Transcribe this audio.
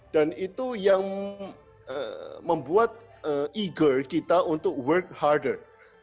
dan itu yang membuat eager kita untuk work harder